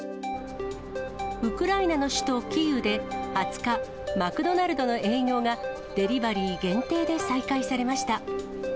ウクライナの首都キーウで２０日、マクドナルドの営業がデリバリー限定で再開されました。